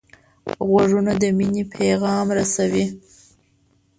غوږونه د مینې پیغام رسوي